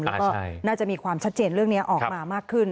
แล้วก็น่าจะมีความชัดเจนเรื่องนี้ออกมามากขึ้น